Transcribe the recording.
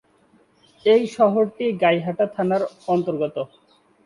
এই শহরটি গাইঘাটা থানার অন্তর্গত।